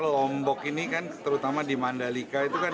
lombok ini kan terutama di mandalika itu kan